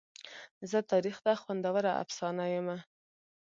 زه تاریخ ته خوندوره افسانه یمه.